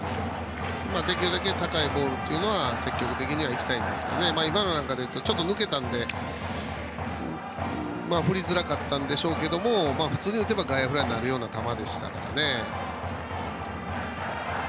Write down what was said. できるだけ高いボールには積極的にはいきたいですが今のなんかはちょっと抜けたので振りづらかったんでしょうけど普通に打てば外野フライになるような球でした。